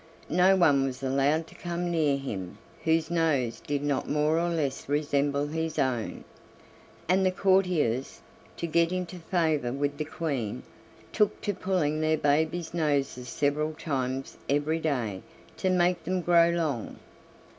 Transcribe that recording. No one was allowed to come near him whose nose did not more or less resemble his own, and the courtiers, to get into favor with the Queen, took to pulling their babies' noses several times every day to make them grow long.